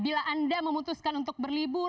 bila anda memutuskan untuk berlibur